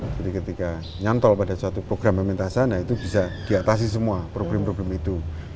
jadi ketika nyantol pada satu program yang minta sana itu bisa diatasi semua problem problem itu